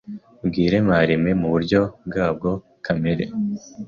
bwiremareme mu buryo bwabwo bwa kamere.